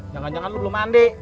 jangan jangan lu belum mandi